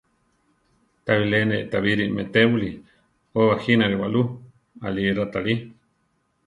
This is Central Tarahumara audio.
Ta bilé ne tábiri meʼtébuli; we bajínare waʼlú, aʼlí raʼtáli.